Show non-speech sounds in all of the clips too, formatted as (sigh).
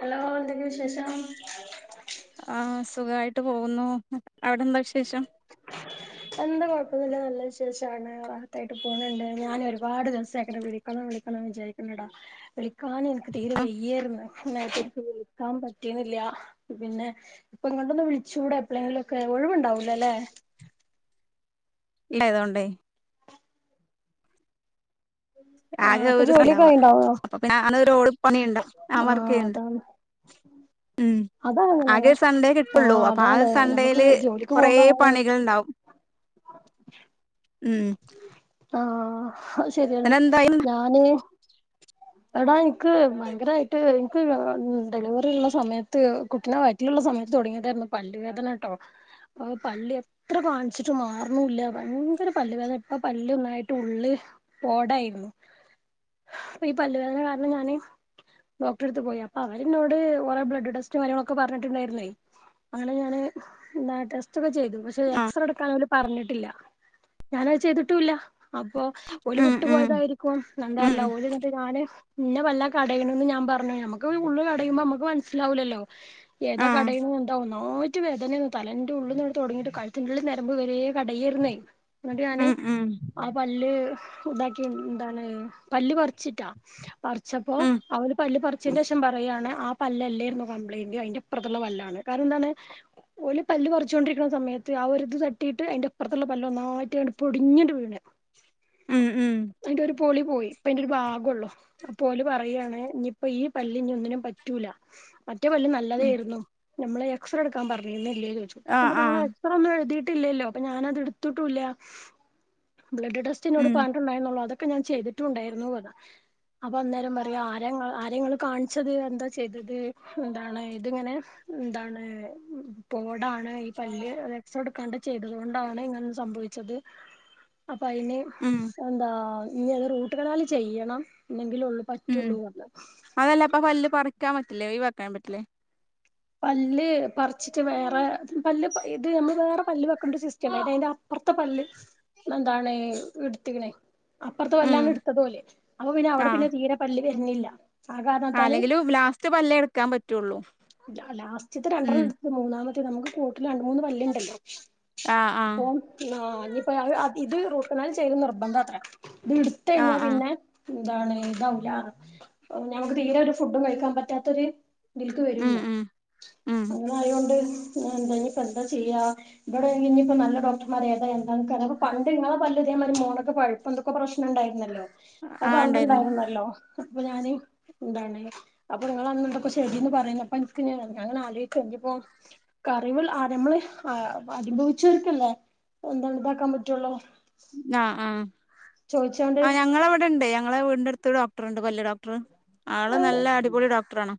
Hello എന്തൊക്ക വിശേഷം ആഹ് സുഖമായിട്ട് പോകുന്നു അവിടെന്താക്ഷ (inaudible) എന്താ കൊഴപ്പൊന്നില്ല നല്ല വിശേഷമാണ് റാഹത്തായിട്ട് പോകുന്നുണ്ട് ഞാൻ ഒരുപാട് ദിവസംങ്ങനെ വിളി കണം വിളിക്കണം വിചാരിക്കുന്നടാ വിളിക്കാൻ എനിക്ക് തീരെ വയ്യായിരുന്നു ഇന്നലെത്തോട്ട് വിളിക്കാൻ പറ്റീന്നില്ല പിന്നെ ഇപ്പ ഇങ്ങോട്ടൊന്ന വിളിച്ചുടെ എപ്പഴെങ്കിലുംക്കെ ഒഴിവുണ്ടാവൂലല്ലേ ഉണ്ടായതോണ്ടെ ആഹ് ആകെ അപ്പൊ ഒരു ജോലിയൊക്കെ (unintelligible) ആയിണ്ടാവോ അപ്പൊ (unintelligible) പണിയുണ്ട് ഞാൻ വർക്ക് ആഹ് ചെയ്യണ്ട് അതാണ് (inaudible) ഉം അതാണ് ആകെ അങ്ങനെയാണ് സൺഡേ കിട്ടുള്ളൂ ആഹ് അപ്പൊ ആ അതാണ് ഞമ്മക്ക് സൺഡേയില് ജോലിക്ക് കുറെേ പോകുമ്പോ അങ്ങനെ പണികൾണ്ടാവും ഉം ആഹ് അത് ശരിയാണ് പിന്നെ എന്തായി ഞാന് എടാ എനിക്ക് ഭയങ്കരമായിട്ട് എനിക്ക് ഡെലിവറി ഉള്ള സമയത്ത് കുട്ടിനെ വ റ്റിലുള്ള സമയത്ത് തുടങ്ങിയതായിരുന്നു പല്ല് വേദന കേട്ടോ പല്ല് ഇത്ര കാണിച്ചിട്ട് മാറന്നുല്ല ഭയങ്കര പല്ല്വേദന ഇപ്പ പല്ല് ഒന്നായിട്ട് ഉള്ള് പോടായിരുന്നു അപ്പൊ ഈ പല്ലുവേദന കാരണം ഞാന് ഡോക്ടറെടുത്ത് പോയി അപ്പൊ അവര് എന്നോട് കൊറെേ ബ്ലഡ് ടെസ്റ്റും കാര്യങ്ങളൊക്കെ പറഞ്ഞിട്ടുണ്ടായിരുന്നേ അങ്ങനെ ഞാന് എന്താ ടെസ്റ്റൊക്കെ ചെയ്തു പക്ഷെ ആഹ് എക്സറേ എടുക്കാൻ അവല് പറഞ്ഞിട്ടില്ല ഞാന അത് ചെയ്തിട്ടുല്ല അപ്പൊ ഒല് ഉം വിട്ടു ഉം പോയതായിരിക്കും ഉം എന്താറില്ല ഓല് യ്യോ ഇന്നെ വല്ല കടയണതുംഞാൻ പറഞ്ഞു നമ്മുക്ക് ഉള്ള് കടയുമ്പോ നമ്മുക്ക് മനസിലാവൂല്ലോ ഏതാ ആഹ് കടയുന്നേ എന്താ ഒന്നാ റ്റ വേദനയാണ് തലെന്റെ ഉള്ളിൽ നിന്ന് തുടങ്ങയിട്ട് കഴുത്തിന്റെ ഉള്ളിൽ ഞരമ്പ് വരെ കടയായിരുന്നേ ന്നിട്ട് ഞാന് ഉം ഉം ആ പല്ല് ഇതാക്കി എന്താണ് പല്ല് പറിച്ചിട്ടാ പറിച്ചപ്പോ ഉം ആ ഒരു പല്ല് പറിച്ചതിന്റെ ശേഷം പറയാണ് പല്ല് അല്ലേ കംപ്ലയിന്റ് അതിന്റെ ഇപ്രത്തുള്ള പല്ലാണ് കാരണം എന്താണ് ഓല് പല്ല് പറിച്ചുകൊണ്ടിരിക്കുന്ന സമയത്ത് ആ ഒരുത് തട്ടിട്ട് അതിന്റെ ഇപ്പറത്തുള്ള പല്ല് ഒന്നായിട്ട് പൊടിഞ്ഞിങ്ങട്ട് വീണ് ഉം ഉം അയിന്റെ ഒരു പൊളി പോയി പയിന്റെ വാകൊള്ളൂ അപ്പോ ഓല് പറയാണ് ഇഞ്ഞിപ്പോ ഈ പല്ല് ഇനിഒന്നിനും പറ്റൂല മറ്റേ പല്ല് ഉം നല്ലതായിരുന്നു നമ്മളെ എക്സ്റേ എടുക്കാൻ പറഞ്ഞിരുന്നില്ലേ ചോദിച്ചു ഞാൻ ആഹ് പറഞ്ഞു ആഹ് നിങ്ങ റേ ഒന്നും എഴുതിയിട്ടില്ലല്ലോ അപ്പൊ ഞാനത് എടുത്തിട്ടൂല്ല ബ്ലഡ് ടെസ്റ്റ് എന്നോട് ഉം ണ്ട എന്നുള്ളൂ അതൊക്കെ ഞാൻ ചെയ്തിട്ടുണ്ടായിരുന്നു പറഞ്ഞു. അപ്പൊ അന്നേരം പറയാ ആര ആരെയാ നിങ്ങള് കാണിച്ചത് എന്താ ചെയ്തത് എന്താണ് ഇതിങ്ങനെ എന്താണ് പോടാണ് ഈ പല്ല് എക്സറേ എടുക്കാണ്ട് ചെയ്തത് കൊണ്ടാണ് ഇങ്ങനെ സംഭവിച്ചത് അപ്പൊ അതിന് ഉം എന്താ ഇനി അത് റൂട്ടുകനാൽ ചെയ്യണം ഇന്നെങ്കിലും ഉള്ള ഉം പറ്റുള്ളൂന്ന് പറഞ്ഞ് അതല്ല അപ്പൊ പല്ല് പറിക്കാൻ പറ്റില്ലേ ഒഴിവാക്കാൻ പറ്റില്ലേ പല്ല് പറിച്ചിട്ട് വേറെ പല്ല് ഇത് നമ്മള് വേറെ പല്ല് വെക്കേണ്ട ഒരു സിസ്റ്റം അതിന്റെ പുറത്തെ പല്ല് എന്താണ് എടുത്തിക്കണെ- അപ്പുറത്തെ ഉം പല്ലാണ് എടുത്തത് ഓല് അപ്പൊ പിന്നെ അവിടെ ആഹ് പിന്നെ തീരെ പല്ല് വരുന്നില്ല ആ കാരണത്താല് അല്ലെങ്കിലും ലാസ്റ്റ് പല്ലേ ഇടുക്കാൻ പറ്റുള്ളൂ ലാസ്റ്റിലത്തെ രണ്ടെണ്ണം ഉം എടുത്ത് മൂന്നാമത്തെ നമ്മുക്ക് കോട്ടിൽ രണ്ട് മൂന്ന് പല്ല് ഇണ്ടല്ലോ ആഹ് ആഹ് പ്പോം ആ ഇഞ്ഞിപ്പോ ഇത് റൂട്ട് കനാലാൽ ചെയ്യുന്നത് നിർബന്ധം അത്രെ ഇത് ഇടുത്ത് ആഹ് കഴിഞ്ഞാൽ ആഹ് പിന്നെ ന്താണ് ഇതാവില്ല ഞമ്മക്ക് തീരെ ഒരു ഫുഡും കഴിക്കാൻ പറ്റാത്തൊരു തിൽക്ക് വരും ഉം ന്ന് ഉം ഉം അങ്ങനെ ആയൊണ്ട് ഞാൻ എന്താ ഇപ്പ എന്താ ചെയ്യാ ഇവിടെ ഇനിയിപ്പോ നല്ല ഡോക് അപ്പ എന്തൊക്കെ പ്രശ്നം ഉണ്ടായിരുന്നല്ലോ അത് ആഹ് ഉണ്ടായിരുന്നു പറഞ്ഞിട്ടുണ്ടായിരുന്നല്ലോ അപ്പൊ ഞാന് ഇന്താണ് അപ്പൊ നിങ്ങള് അന്ന് എന്തെക്കെ ചെയ്തന്ന് പറയുന്നപ്പ ക്ക് ഞാങ്ങനെ ആലോക്കുവാ ഇഞ്ഞിപ്പോ കറിവിൽ നമ്മള് അനുഭവിച്ചർക്കല്ലേ എന്താണ് ഇതാക്കാൻ പറ്റുള്ളോ ആഹാ ആഹാ ചോദിച്ചാണ്ട് അ ഞങ്ങളവിടെണ്ട് ഞങ്ങടെ വീടിന്റെ അടുത്ത് ഡോക്ടർ ഉണ്ട് പല്ല് ഡോക് ആള് നല്ല ആഹ് അടിപൊളി ഡോക്ടറാണ്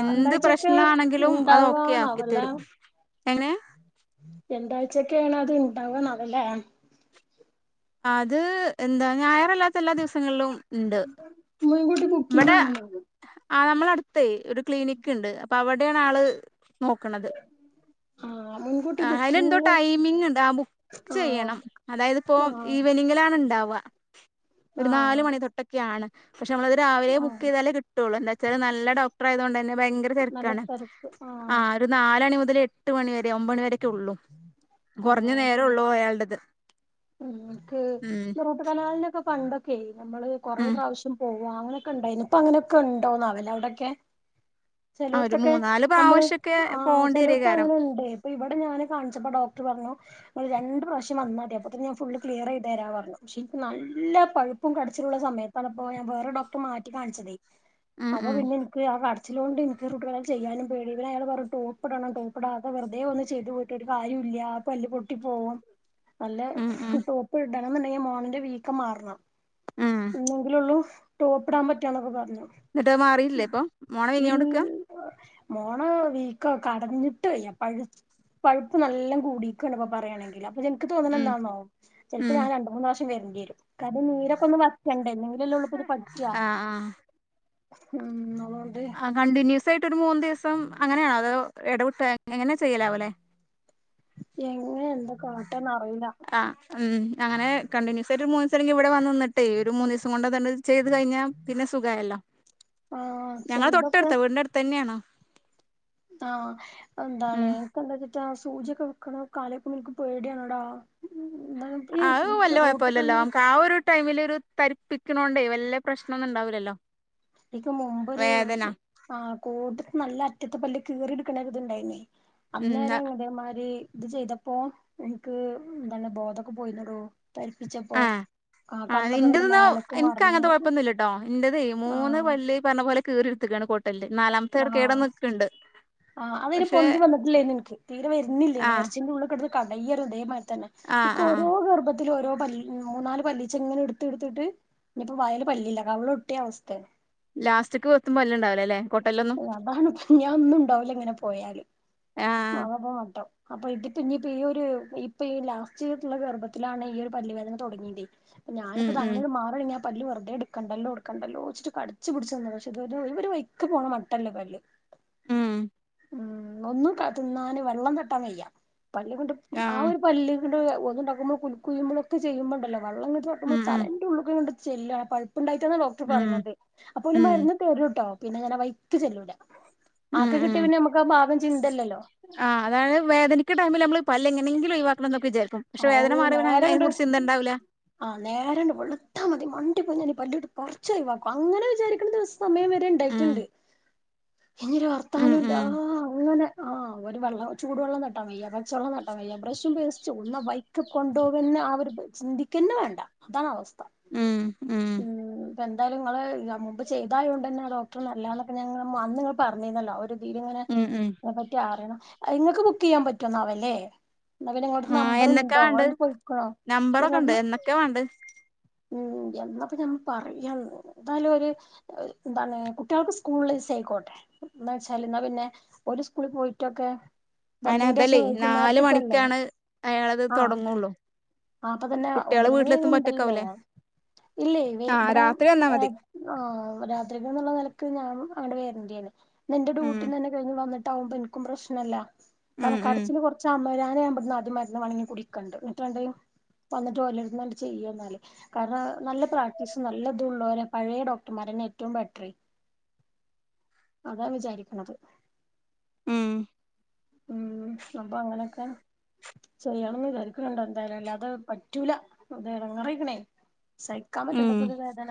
എന്ത് എന്താഴ്ചൊക്കെ പ്രശ്നണെങ്കിലും അത് ഓകെ ഉണ്ടാവാന്നാവല്ലേ ആക്കിത്തരും എങ്ങനെ രണ്ടാഴ്ചൊക്കെയാണോ അത് ഉണ്ടാവന്നുവലെ അത് എന്താ ഞായറല്ലാത്ത എല്ലാ ദിവസങ്ങളിലും ഉണ്ട് (inaudible) ബുക്കിംഗ് ഇവിടെ ആണോന്ന് ആ നമ്മടെ അടുത്തേ ഒരു ക്ലിനിക്ക് ഇണ്ട് അപ്പൊ അവിടെയാണ് ആള് നോക്കണത് ആ മുൻകൂട്ടി ആ അയിലെന്തോ ബുക്കിംഗ് ടൈമിംഗ് ഉണ്ട് ആ ബു ആ ചെയ്യണം അതായത് ഇപ്പോ ആ ഈവനിങ്ങിലാണ് ഇണ്ടാവ ഒരു ആ നാലു മണി തൊട്ടൊക്കെയാണ് പക്ഷെ നമ്മളത് രാവിലെ ആ ബുക്ക് ചെയ്താലേ കി ട്ടുള്ളു എന്താച്ചാല് നല്ല ഡോക്ടർ ആയതുകൊണ്ട് തന്നെ ഭയങ്കര നല്ല തെരക്കാണ് തിരക്ക് ആ ഒരു നാല്മണി മുതൽ എട്ട് മണി വരെയാ ഒമ്പത്ണിവരെ ള്ളു ആ കുറഞ്ഞ നേരം ഉള്ളൂ അയ്യാളുടേത് ഉം ട്ട് കനാലിനൊക്കെ പണ്ടൊക്കെ യേനമ്മള് കുറേ ഉം പ്രാവശ്യം പോവാ അങ്ങനൊക്കെ ഉണ്ടായിനി ഇപ്പോ അങ്ങനെയൊക്കെ ഉണ്ടോന്നാവാലെഅവിടൊക്കെ ആഹ് ഒരു ചിലോടത്തൊക്കെ മൂന്നാല് നമ്മള് പ്രാവശ്യൊക്കെ ആ പോകേണ്ടി ചെലടത്ത് വരേകാരം അങ്ങനെ ഉണ്ട് അപ്പം ഇവിടെ ഞാന് കാണിച്ചപ്പോ ഡോക്ടർ പറഞ്ഞു ഇങ്ങള് രണ്ട് പ്രാവശ്യം വന്നാതി അപ്പോത്ത്ന് ഞാൻ ഫുളള് ക്ലിയറെയ്തെരാ പറഞ്ഞു. പക്ഷെ ഇൻക്ക് നല്ല പഴുപ്പും കടിച്ചിലുള്ള സമയ തലപ്പോയ വേറെ ഡോക്ടർ മാറ്റി കാണിച്ചതേ. ഉം അപ്പ ഉം പിന്നെ എനി ക്ക് ആ കടിച്ചിലോണ്ട് എനിക്ക് റൂട്ടകനാല് ചെയ്യാനും പേടി പിന്നെ അയാള് പറഞ്ഞു ടോപ്പിടണം ടോപ്പിടാതെ വെർ തേ ഒന്നു ചെയ്തു കൂട്ടിയിട്ട് കാര്യുല്ല ആ പല്ല് പൊട്ടി പോവും. നല്ലെ ഉം ഉം ടോ പ്പ് ഇടണം ന്ന്ണ്ടെങ്കി മോണിന്റെ വീക്കം മാർണം. ഉം ഇന്നെങ്കിലേ ഒള്ളു ടോപ്പിടാൻ പറ്റാന്നൊക്കെ പറഞ്ഞു. ന്ന്ട്ട് അത് മാറിയില്ലേ ഇപ്പൊ. മോണ ഇൽ വീങ്ങിയോണ്ട്ക്കാ. മോണ വീക്കോ കടഞ്ഞിട്ട് വയ്യാ. പഴു പഴുപ്പ് നല്ലൊം കൂടിക്ക്ണ് ഇപ്പ പറയാണെങ്കില് അപ്പൊ ഇൻക്ക് തോന്ന്ണെ ഉം എന്താന്നോ ചെൽപ്പോ ഉം ഞാൻ രണ്ട് മൂന്ന് പ്രാവശ്യം വെര്ണ്ടി വെരും. കാരണം നീരൊക്കെയൊന്ന് വറ്റെണ്ടേ ന്നെ ങ്കിലല്ലെ ഒള്ളുപ്പ ഇത് പറ്റ്യാ ആഹ് ആഹ് ഉം ഓളോണ്ട് കണ്ടിന്യൂസായിട്ട് ഒരു മൂന്ന് ദിവസം അങ്ങനെയാണോ അത് എടവിട്ടൊ എങ്ങനെ? ചെയ്യലാവൂലേ എങ്ങനെ എന്താ കാട്ടാ ന്നറീല്ല. ആഹ് ഉം അങ്ങനെ കണ്ടിന്യൂസായിട്ട് ഒര് മൂന്നു ദിവസം ഇവെടെ വന്ന് നിന്നിട്ടേ ഒരു മൂന്നീസം കൊണ്ട താണ്ട് ചെയ്ത് കഴിഞ്ഞാ പിന്നെ സുഖായല്ലോ. ആഹ് ഞങ്ങളെ ചെലതൊക്കെ തൊട്ടട്ത്താ വീടിന്റെ അട്ത്തെന്നെയാണ്. ആഹ് എന്താണ്? പ്പന്തേച്ച്ട്ടാ സൂചിയൊക്കെ വെക്ക്ണൊക്കെ ആലോയിക്കുമ്പോ ഇൻക്ക് പേടിയാണെടാ ന്താ അത് വെല്യ കൊഴപ്പല്ലല്ലോ അമ്മക്ക് ആ ഒരു ടൈമിലൊരു തരിപ്പിക്കണോണ്ടേ വല്ല്യ പ്രശ്നൊന്നുണ്ടാവൂലല്ലോ. ഇൻക്ക് മുമ്പൊരു ആ കോട്ട്ത്തെ നല്ല അറ്റത്തെ പല്ല് കീറിയെട്ക്ക്ണ ഒരീത്ണ്ടായീനി ഉം അന്നേരം ഇതേമാരി ഇത് ചെയ്തപ്പൊ ഇൻക്ക് എന്താണ് ബോധൊക്കെ പോയിന്നെടോ. തരിപ്പിച്ചപ്പോ ആഹ് ആ കണ്ണൊക്കെ ഇങ്ങട്ട് മേലെക്ക് മറിഞ്ഞു ട്ടോ ഇന്റെത് മൂന്ന് ആഹ് പല്ല് ഈ പറഞ്ഞ പോലെ കീറിടാത്തിക്ക്ണ് കോട്ടല്ല്. നാലാമത്തെട് ആഹ് കേടെന്ന് നിക്ക്ണ്ട് ആഹ് അത് അയ്ന് പക്ഷെ പൊന്തി വന്നട്ടില്ലേരുന്നു ഇൻക്ക് തീരെ വെരുന്നില്ലേനി ആഹ് എർച്ചിന്റെ ഉള്ളിൽ കെടന്ന് കടെയെരു ഇതേ മാതിരി തന്നെ. ആഹ് ഇക്ക് ആഹ് ഓരോ ഗർഭ ത്തില് ഓരോ പല്ല് മൂന്നാല് പല്ലിച്ചെങ്ങനെ ഇട്ത്ത് ഇട്ത്തിട്ട് ഇഞ്പ്പം വായേല് പല്ലില്ല കവിളൊട്ടിയ അവസ്ഥെ ലാസ്റ്റക്ക് എത്തും പല്ല്ണ്ടാവുലല്ലേ ഉം അതാണ് പ ഞാ ഒന്നും ഉണ്ടാവൂല ഇങ്ങനെ പോയാല് ആഹ് അതാപ്പം മട്ടം അപ്പൊ ഇതിപ്പ ഇഞ്ഞ്പ്പ ഈ ഒര് ഇപ്പൊ ഈ ലാസ്റ്റ് ആയിട്ടുള്ള ഗർഭത്തിലാണ് ഈ ഒരു പല്ലുവേദന തൊടങ്ങിതേ ഉം ഞാനിപ്പ ഉം തങ്ങനട് മാ പ്പഴഞ്ഞ് ആ പല്ല് വെറ്തെ എടുക്കെണ്ടെല്ലോ എടുക്കെണ്ടെല്ലോ വെച്ചിട്ട് കടിച്ച് പിടച്ച് നിന്നെതാ. പക്ഷെ ഇതൊരു ഒരു വഴിക്ക് പോവ്ണ മ ട്ടല്ല പല്ല്. ഉം ഉം ഒന്നും തിന്നാന് വെള്ളം തട്ടാൻ വയ്യാ പല്ല് ങ്ങട്ട് ആ ആഹ് ഒരു പല്ല് ങ്ങട്ട് ഒളുണ്ടാക്കുമ്പോ കുൽക്കുഴയ്യുമ്പളൊക്കെ ചെയ്യുമ്പോണ്ടല്ലോ വെള്ളം ഇങ്ങട്ട് തട്ടുമ്പോ ഉം ഉം തലെന്റെ ഉള്ളിക്ക് ഇങ്ങട്ട് ചെല്ല് ആ പഴ് പ്പ് ഇണ്ടായിട്ടാന്ന ഡോക്ടറ് ഉം പറയുന്നത്. അപ്പോല് ഉം മരുന്ന് തെരുട്ടോ പിന്നെ ഞാൻ വഴിക്ക് ചെല്ലൂല. ഉം ആക്കം കിട്ടിയാ ഉം പിന്നെ നമ്മെക്ക് ആ ഭാഗം ചിന്തല്ലല്ലോ. ആഹ് അതാണ് വേദനിക്ക ടൈമില് നമ്മള് പല്ല് എങ്ങനെങ്കിലും ഒഴിവാക്കണം ന്നൊക്കെ വിചാരിക്കും. പക്ഷേ വേദന മാറിയാ പിന്നെ അയിനെ കുറിച്ച് ചിന്തണ്ടാവൂല ആഹ് നേരണ്ട് വെള്ത്താ മതി മണ്ടി പോയി ഞാനീ പല്ല്ട് പറിച്ച് ഒഴിവാക്കും അങ്ങനെ വിചാരിക്കുന്ന ദിവസ സമയം വെര ഉം ണ്ടായിട്ട്ണ്ട് ഇഞ്ഞ് ഒരു ഉം വർത്താനൂല്ല. ഉം ആഹ് അങ്ങനെ ആഹ് ഒരു വെള്ളം ചൂടുവെള്ളം തട്ടാൻ വയ്യാ, പച്ചവെള്ളം തട്ടാൻ വയ്യാ, ബ്രഷും പേസ്റ്റു ഒന്നും ആ ബൈക്കെ കൊണ്ടുപോകെന്നെ ആ ഒരു ചിന്തിക്കെന്നെ വേണ്ട അതാണ് അവസ്ഥ. ഉം ഉം ഉം ഇപ്പ എന്തായാലും ഇങ്ങള് മുമ്പ് ചെയ്തായോണ്ടെന്നെ ഡോക്ടർ നല്ലാന്നൊക്കെ ഞാ ഇങ്ങ അന്ന് ഇങ്ങള് പറഞ്ഞീന്നല്ലോ ഒരു തീലിങ്ങനെ ഉം ഉം അയ്നെ പറ്റി അറിയണം. അത് ഇങ്ങെക്ക് ബുക്ക് ചെയ്യാൻ പറ്റോന്നാവല്ലേ? ന്നാ പിന്നെ ഇങ്ങളെട്ത്ത് ആഹ് എന്നൊക്കാ നമ്പറ്ണ്ടോ? അത് വാണ്ടത് ണ്ട് പൊയ്ക്ണോ അല്ല നമ്പറൊക്കെ ഇങ്ങളട്ത് ഉണ്ട് ന്ന് എന്നൊക്കെ വാണ്ടത് ഉം എന്നാപ്പം ഞാൻ പറയാന്ന് എന്തായാലും ഒര് ന്താണ് കുട്ട്യൾക്ക് സ്കൂള് ള്ള ദിവസായ്ക്കോട്ടെ. എന്താ വെച്ചാല്, എന്നാ പിന്നെ ഒരു സ്കൂളി പോയിട്ടൊക്കെ. അയിന് വന്നീന്റെഷം അതല്ലേ നാല് വൈകുന്നേരത്തേക്കല്ലേ മണിക്കാണ് അയാളത് ആഹ് തൊടങ്ങൊള്ളൂ ആഹ് അപ്പൊതന്നെ കുട്ട്യാള് ഒമ്പതു മണി വീട്ടിലെത്തുമ്പോ കഴിഞ്ഞണ്ടല്ലോ ഒറ്റക്കാവൂലേ ഇല്ലേയ് വി ആഹ് ഇബ്ടെ രാത്രി വന്നാ മതി ഏഹ് ആഹ് രാത്രികന്നുള്ള നിലക്ക് ഞാൻ അവിടെ വരണ്ടയാണ് ഇന്നെന്റെ ന്റെ ഉം ഡ്യൂട്ടി തന്നെ ന്നുകഴിഞ്ഞു വന്നിട്ടാവുമ്പോ എനിക്കും പ്രശ്നല്ല ഉം കാരണം ഉം കടച്ചില് കൊറ ച്ചമ്മരാന (unintelligible) ആദ്യം മരുന്ന് വാങ്ങി കുടിക്കണ്ട് ന്നിട്ട് (unintelligible) വന്നിട്ട് ഓലെടുത്ത്ന്ന്ട്ട് ചെയ്യന്നാല് കാരണം നല്ല പ്രാക്ടീസും നല്ല ള്ളവരെ പഴയ ഡോക്ടർമാരന്നെ ഏറ്റവും ബെറ്ററ് അതാ വിചാരിക്കണത്. ഉം ഉം അപ്പൊ അങ്ങനെയൊക്കെ. ചെയ്യണംന്ന് വിചാരിക്കണ് ണ്ട് എന്തായാലും അല്ലാതെ പറ്റൂലാ അത് എടങ്ങേറായ്ക്കണേ. സഹിക്കാൻ ഉം പറ്റേണ്ടപ്പോത് വേദന.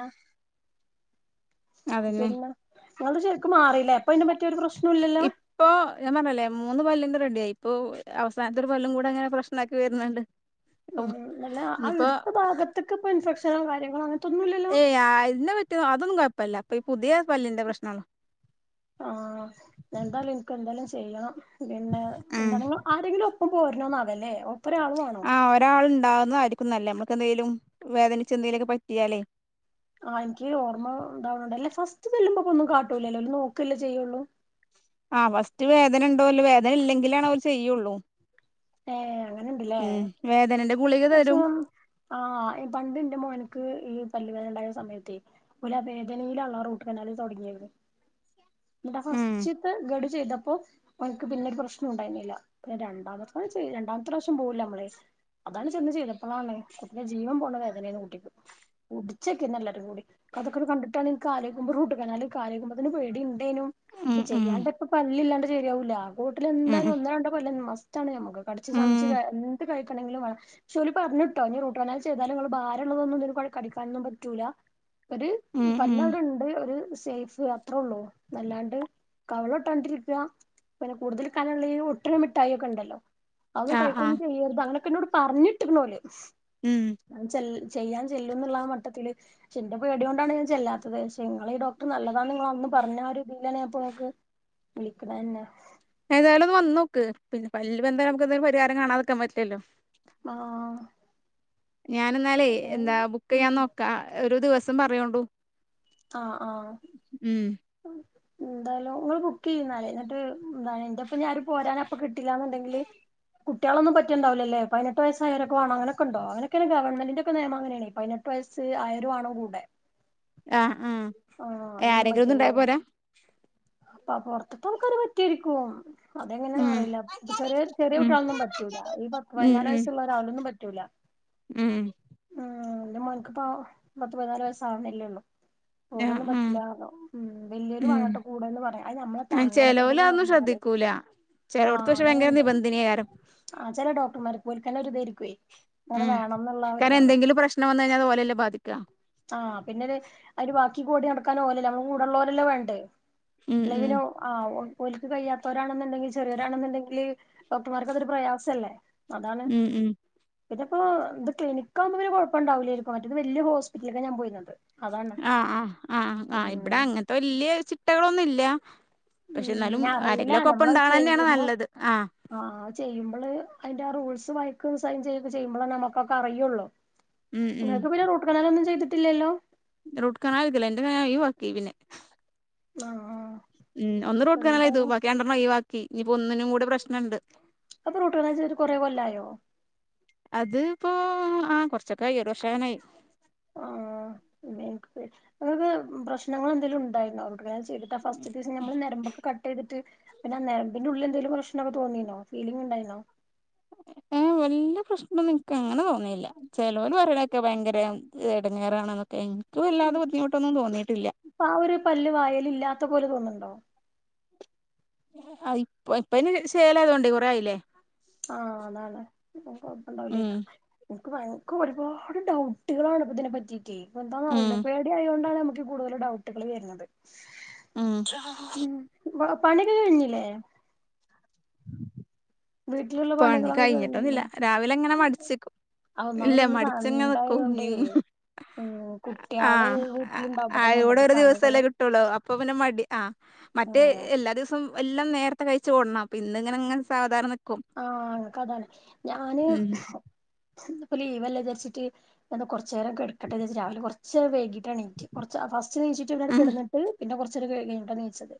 അതന്നെ പിന്നെ നിങ്ങൾടെ ശെരിക്കും മാറില്ലേ അപ്പൊ അതിന്പറ്റിയൊരു പ്രശ്നം ഇല്ലല്ലോ ഇപ്പൊ ഞാൻ പറഞ്ഞീലേ മൂന്ന് പല്ലിന്റെ റെഡിയായി ഇപ്പൊ അവസാനത്തൊരു പല്ലും കൂടെ അങ്ങനെ പ്രശ്നാക്കി വരുന്നുണ്ട്. ഓഹ് ഇനിപ്പൊ ത്ക്ക്പ്പൊ ഇൻഫെക്ഷനോ കാര്യങ്ങളോ അങ്ങൻത്തൊ ഏയ് ആയിനെ പറ്റി അതൊന്നും കുഴപ്പല്ല. ഇപ്പൊ ഈ പുതിയ പല്ലിന്റെ പ്രശ്നങ്ങളാ ആഹ് എന്തായാലും എനിക്ക് എന്തായാലും ചെയ്യണം പിന്നെ ഉം എന്താണിങ്കോ ആരെങ്കിലും ഒപ്പം പോരോണന്നാവല്ലേ ഒപ്പനെ ആള് വേണോ? ആഹ് ഒരാള് ഇണ്ടാവുന്നതായിരിക്കും നല്ലേ നമുക്കെന്തേലും വേദനിച്ച് എന്തേലൊക്കെ പറ്റിയാലേ. ആഹ് എനിക്ക് ഓർമ്മ ഉണ്ടാവണണ്ട് അല്ലേ ഫസ്റ്റ് ചെല്ലുമ്പൊക്കൊന്നും കാട്ടൂലല്ലേ ഓല് നോക്കല്ലേ ചെയ്യുള്ളൂ. ആഹ് ഫസ്റ്റ് വേദന ഇണ്ടോ ഇല്ലോ വേദന ഇല്ലെങ്കിലാണ് ഓല് ചെയ്യുള്ളൂ. ഏഹ് അങ്ങനെയുണ്ടല്ലേ ഉം വേദനന്റെ ഗുളിക പക്ഷെ തരും. ആഹ് പണ്ടിന്റെ മോന്ക്ക് ഈ പല്ലു വേദന ഇണ്ടായ സമയത്തേ ഓലാ വേദനയിലാണ് റൂട്ട് കനാല് തൊടങ്ങിയത്. എന്നിട്ടാ ഉം ഫസ്റ്റിത്ത ഗഡു ചെയ്തപ്പം ഓന്ക്ക് പിന്നൊരു പ്രശ്നം ഉണ്ടായിരുന്നില്ല പിന്നെ രണ്ടാമത്തെ ചെയ് രണ്ടാമത്തെ പ്രാവശ്യം പോവില്ലേ നമ്മള് അതാണ് ചെന്ന് ചെയ്തപ്പോഴാണ് കുട്ടിനെ ജീവൻ പോണ വേദനയ്നു കുട്ടിക്ക് പുടിച്ചേക്കന്നേ എല്ലാരും കൂടി. അതൊക്കെ കണ്ടിട്ടാണ് എനിക്ക് അലോയിക്കുമ്പോ റൂട്ട് കനാലിൽ കാലേക്കുമ്പോത്തേന് പേടി ഉണ്ടേനു ഉം പക്ഷെ ഉം ചെയ്യാണ്ട്പ്പ പല്ലില്ലാണ്ട് ശരിയാവൂല്ല ഉം കോട്ടിലെന്തായാലും ഒന്നോ രണ്ടോ പല്ല് മസ്റ്റാണ് ഞമ്മക്ക്. കടിച്ചു സമ്ച്ച് ഉം എന്ത് കാ ക്കാണെങ്കില് വേണം പക്ഷെ ഓല് പറഞ്ഞിട്ടോ ഇനി റൂട്ട് കനാല് ചെയ്താലും നിങ്ങള് ഭാരള്ളതൊന്നും (unintelligible) ഒരുപാട് കടിക്കാനൊന്നും പറ്റൂല്ല. ഒരു ഉം ഉം പല്ലവിടെ ഇണ്ട് ഒരു സേഫ് അത്രോ ഒള്ളൂ അല്ലാണ്ട്. കവിളൊട്ടാണ്ടിരിക്കുക പിന്നെ കൂടുതല് കനള്ള ഈ ഒട്ട്ണ മിഠായിയൊക്കെ ഉണ്ട ല്ലോ അത് ആ ആ കഴിക്കൊന്നും ചെയ്യരുത് അങ്ങനൊക്കെ എന്നോട് പറഞ്ഞിട്ട്ണ്ട് ഓല് ഉം (unintelligible) ചെൽ ചെയ്യാൻ ചെല്ലും എന്നുള്ള ആ മട്ടത്തില് പക്ഷെ ഇന്റെ പേടിയോണ്ടാണ് ഞാൻ ചെല്ലാത്തത്. നിങ്ങള ഈ ഡോക്ടറ് നല്ലതാന്ന് നിങ്ങളന്ന് പറഞ്ഞ ആ ഒരു ഇതിനാത്തോക്ക് വിളിക്കണന്നെ എന്തായാലും വന്നോക്ക് പിന്നെ പല്ല് പ്പോ എന്തായാലും നമുക്ക് എന്തേലും പരിഹാരം കണാതിരിക്കാൻ പറ്റില്ലല്ലോ. ആഹ് ഞാനെന്നാലേ അതെ. എന്താ ബുക്ക് ചെയ്യാൻ ഉം നോക്കാ ഒരു ദിവസം പറയോണ്ടു. ആഹ് ആഹ് ഉം എന്തായാലും നിങ്ങള് ബുക്ക് ന്നാല് എന്നിട്ട് എന്താ എന്റെ പിന്നെ ആരും പോരാനപ്പൊ കിട്ടില്ലാന്നുണ്ടെങ്കില് കുട്ടികളൊന്നും പറ്റിണ്ടാവില്ലല്ലേ പതിനെട്ട് വയസായോരൊക്ക വേണം അങ്ങനൊക്കൊണ്ടോ അങ്ങനൊക്കാണ് ഗവൺമെന്റിന്റൊക്കെ നിയമങ്ങനാണേ പതിനെ വയസ്സ് ആയിരം ആണോ കൂടെ ആഹ് ആഹ് ആരെങ്കിലും ഒന്നും ഉണ്ടായാ പോരാ അപ്പ പൊറത്ത്ത്തെ ആൾക്കാരെ പറ്റുവായിക്കുവാ ഉം അതെങ്ങനെയാന്നറിയില്ല. അപ്പൊ ചെറിയ ചെറിയ ഉം കുട്ടികളൊന്നും പറ്റൂലാ ഈ ഉം പതിനാല് ഉം വയസ്സുള്ള ഒരാളൊന്നും പറ്റൂലാ ഉം ഉം എന്റെ മോനക്ക്പ്പോ പത്ത് പതിനാല് വയസാവുന്നല്ലേയുള്ളു. ആഹ് ഓലൊന്നും ആഹ് പറ്റില്ലാറഞ്ഞു വല്യൊയോല് ഉം വാണട്ടോ (unintelligible) പറയാം അത് നമ്മളെ ആ ചെലോല് താങ്ങാനൊക്കെന്തേലും അതൊന്നും വന്നാലേ ശ്രദ്ധിക്കൂല ചെലോട്ത്ത് പക്ഷേ ഭയങ്കര നിബന്ധനി ഐക്കാരം ആഹ് ചെല ഡോക്ടർമാർക്ക് ഓൽക്കന്നെ ഒരുതേര്ക്കോയ് ഉം കാരണം എന്തെങ്കിലും പ്രശ്നം വന്ന് കഴിഞ്ഞാ അത് ഓലെല്ലേ ബാധിക്കാ ആഹ് പിന്നെ ഒരു ബാക്കി കൂടി നടക്കാൻ ഓലല്ലേ നമ്മളെ കൂടെള്ളോലല്ലേ വേണ്ടേ ഉം ഉം അല്ലേപിന്നെ ഓ ആഹ് ഒൽക്ക് കഴിയാത്ത ഒരാണെന്നുണ്ടെങ്കിൽ ചെറിയൊരാണെന്നുണ്ടെങ്കില് ഡോക്ടർമാർക്ക് അതൊരു പ്രയാസല്ലേ അതാണ് ഉം ഉം പിന്നെപ്പൊ ഇത് ക്ലിനിക്കകുമ്പോ പിന്നെ കുഴപ്പണ്ടാവില്ലേരിക്ക മറ്റേത് വല്ല്യ ഹോസ്പിറ്റൽക്കാ ഞാൻ പോയ്ന്നത് ആഹ് ആഹ് ആഹ് ആഹ് ഇവിടെ അങ്ങനത്തെ വല്യ ചിട്ടകളൊന്നുല്ല്യ പക്ഷേ ഉം ന്നാലും അറിയില്ല ആരെങ്കിലും ഒക്കെ ഒപ്പം നമ്മളത് ഉണ്ടാവണ തന്നെയാണ് ചെയ്യുമ്പോ നല്ലത് ആഹ് ആഹ് ചെയ്യുമ്പള് അതിന്റെ ആഹ് റൂൾസ് വയ്ക്ക് സൈൻ ചെയ്യുമ്പോളേ നമ്മുക്കൊക്കെ അറിയുള്ളോ ഉം ഉം ങ്ങക്ക് പിന്നെ റൂട്ട് കനാലൊന്നും ചെയ്തിട്ടില്ലല്ലോ റൂട്ട്കനാൽ ഇതില്ല എന്റെ കനാ ഒഴിവാക്കി പിന്നെ ആഹ് ആഹ് ഉം ഒന്ന് ഇപ്പ റൂട്ട്കനാലെയ്തു എന്തായാലും ബാക്കി രണ്ടണ്ണം ഒഴിവാക്കി ഇനിപ്പോ ഒന്നിനും കൂടെ പ്രശ്നണ്ട് അത്പ്പൊ റൂട്ട്കനാല് ചെയ്തിട്ട് കൊറേ കൊല്ലായോ അത് ഇപ്പോ ആഹ് കൊർചൊക്കായി ഒരു വർഷാവാനായി ആഹ് (unintelligible) ങ്ങക്ക് പ്രശ്നങ്ങൾ എന്തെലുണ്ടായിരുന്നൊ അവർക്ക്ങ്ങ ചെയ്തിട്ടാ ഫസ്റ്റ്തെ ദിസം നമ്മൾ നരമ്പൊക്ക കട്ട് ചെയ്തിട്ട് പിന്നെ ആ നരമ്പിന്റെ ഉള്ളിലെന്തേലും പ്രശ്നൊക്കെ തോന്നീനോ ഫീലിംഗ്ണ്ടായിനോ വല്ല പ്രശ്നൊന്നും ഇൻക്കങ്ങനെ തോന്നിയില്ല ചെലോല് പറയ്ണേക്കാ ഭയങ്കര എടങ്ങേറാണ്ന്നൊക്കെ എനിക്കും വല്ലാതെ ബുദ്ധിമുട്ടൊന്നും തോന്നിയിട്ടില്ല പ്പൊ ആ ഒരു പല്ല് വായേല് ഇല്ലാത്ത പോലെ തോന്ന്ണ്ടോ ആഹ് ഇപ്പ ഇപ്പ അയ്ന് സേലായതോണ്ട് കൊറേആയില്ലേ ആഹ് ഉം അതാണ്പ്പകൊയ്പ്പണ്ടാവൂലയ്ക്കാരം ഇൻക്ക് ഭയങ്കര ഒരുപാട് ഡൗട്ടുകളാണ് ഇപ്പ ഇതിനെ പറ്റിറ്റെയ് ഇപ്പ എന്താന്ന് ഉം അറിയില്ലപ്പ ടി ആയൊണ്ടാണ് നമുക്ക് കൂടുതല് ഡൗട്ടുകള് വര്ന്നത് ഉം ബളെ പണിയൊക്കെ കഴിഞ്ഞില്ലേ വീട്ടിലുള്ള പണി പണികളൊക്കെ കഴിഞ്ഞില്ലേ കഴിന്നിട്ടൊന്നുല്ലാ രാവിലെങ്ങനെ മടിച്ചിക്കും ഇല്ല ഒന്നാമതൊന്ന് സൺഡേ മഠിച്ചങ്ങനെനിക്കും ആയോണ്ടേ ഞ്ഞിങ്ങ ഉം കുട്ട്യാള് ആഹ് വീട്ടിലുണ്ടാവുമ്പോ ആഹ് തന്നെ ഇവിടെ നമ്മുക്ക് ഒരു ദിവസല്ലേ പണികള് കിട്ടുള്ളൂ അപ്പൊ പിന്നെ മടി ആഹ് മറ്റേ ഉം എല്ലാ ദിവസം എല്ലം നേരത്തെ കഴിച്ച് ഓടണം അപ്പ ഇന്നിങ്ങനെങ്ങനെ സാവധാനം നിക്ക ആഹ് ൻക്കതാണ് ഞാന് ഉം ഇന്നിപ്പോ ലീവെല്ലേ വിചാരിച്ചിട്ട് കൊർച്ചേരം കിടക്കട്ടെചാരിച്ചിട്ട് രാവിലെ കൊർ ച്ചേരം വൈകീട്ടാണീറ്റത് കുറച്ച് ഫസ്റ്റ് നീച്ചിട്ട് പിന്നവിടെ ഉം കിടന്നിട്ട് പിന്നെ കൊർച്ചേരം കഴിഞ്ഞിട്ടാ ണീറ്റത്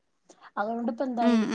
അതോണ്ട്പ്പ ഉം എന്തായി